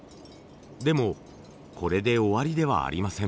でもこれで終わりではありません。